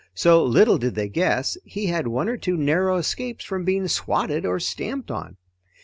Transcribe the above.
So little did they guess he had one or two narrow escapes from being swatted or stamped on.